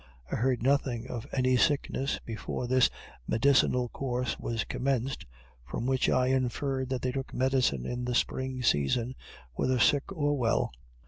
I heard nothing of any sickness before this medicinal course was commenced, from which I inferred that they took medicine in the spring season whether sick or well.